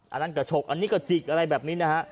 อันนั้นกระฉกอันนี้ก็จิกอะไรแบบนี้นะฮะ